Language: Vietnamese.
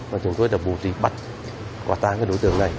và chúng tôi đã bố trí bắt quả tán cái đối tượng này